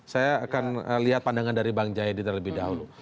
saya akan lihat pandangan dari bang jayadi terlebih dahulu